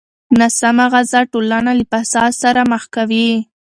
ناسمه غذا ټولنه له فساد سره مخ کوي.